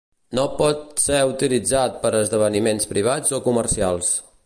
No pot ser utilitzat per a esdeveniments privats o comercials.